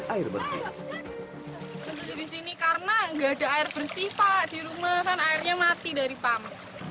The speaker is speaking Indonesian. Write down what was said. yang bersih disini karena enggak ada air bersih pak di rumah dan airnya mati dari pam